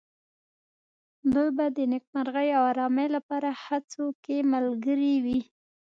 دوی به د نېکمرغۍ او آرامۍ لپاره هڅو کې ملګري وي.